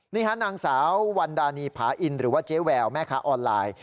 นี่ฮะนางสาววันดานีผาอินหรือว่าเจ๊แววแม่ค้าออนไลน์